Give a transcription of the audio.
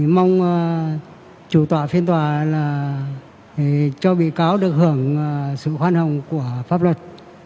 mong chủ tòa phiên tòa cho bị cáo được hưởng sự khoan hồng của pháp luật